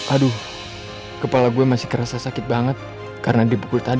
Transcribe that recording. aduh kepala gue masih kerasa sakit banget karena dipukul tadi